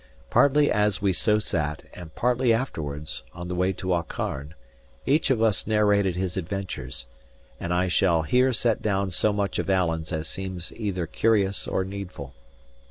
Partly as we so sat, and partly afterwards, on the way to Aucharn, each of us narrated his adventures; and I shall here set down so much of Alan's as seems either curious or needful.